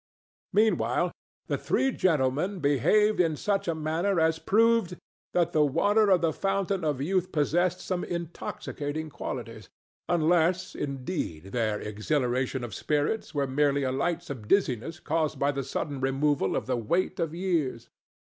Meanwhile, the three gentlemen behaved in such a manner as proved that the water of the Fountain of Youth possessed some intoxicating qualities—unless, indeed, their exhilaration of spirits were merely a lightsome dizziness caused by the sudden removal of the weight of years.